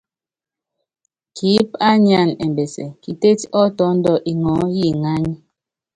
Kiíp á nyáan ɛmbɛsɛ, kitét ɔ́ tɔ́ndɔ ŋɔɔ́ yi ŋány.